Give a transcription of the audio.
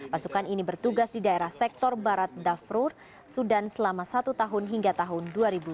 pasukan ini bertugas di daerah sektor barat dafur sudan selama satu tahun hingga tahun dua ribu dua puluh